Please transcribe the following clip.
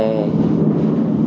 để mình em đi ra